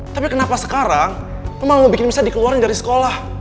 tapi kenapa sekarang lo malah mau bikin michelle dikeluarin dari sekolah